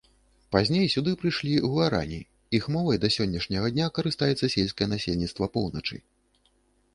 Пазней сюды прыйшлі гуарані, іх мовай да сённяшняга дня карыстаецца сельскае насельніцтва поўначы.